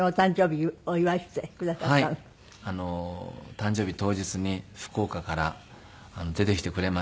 誕生日当日に福岡から出てきてくれまして。